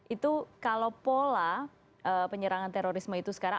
itu kalau pola penyerangan terorisme itu sekarang